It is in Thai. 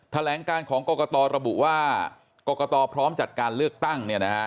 แถลงการของกรกตระบุว่ากรกตพร้อมจัดการเลือกตั้ง